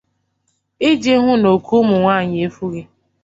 iji hụ na òkè ụmụnwaanyị efùghị